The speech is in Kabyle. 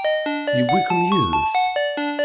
Yewwi-kem yid-s?